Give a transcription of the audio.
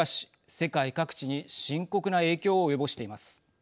世界各地に深刻な影響を及ぼしています。